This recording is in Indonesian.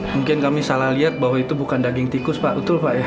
mungkin kami salah lihat bahwa itu bukan daging tikus pak betul pak ya